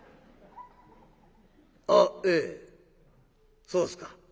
「あっええそうっすか」。